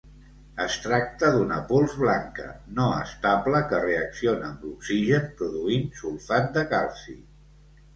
Es tracta d'una pols blanca, no estable que reacciona amb l'oxigen produint sulfat de calci.